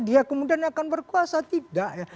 dia kemudian akan berkuasa tidak